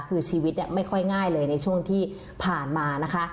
คือชีวิตเนี่ยไม่ค่อยง่ายเลยในช่วงที่ผ่านมานะคะ